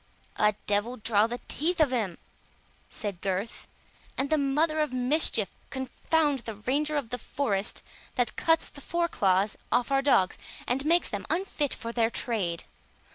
"A devil draw the teeth of him," said Gurth, "and the mother of mischief confound the Ranger of the forest, that cuts the foreclaws off our dogs, and makes them unfit for their trade!